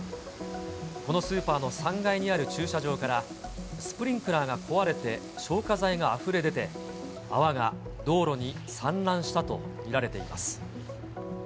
このスーパーの３階にある駐車場からスプリンクラーが壊れて消火剤があふれ出て、泡が道路に散乱したと見られています。